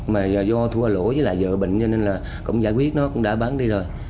mà do thua lỗ với lại vợ bệnh cho nên là cũng giải quyết nó cũng đã bán đi rồi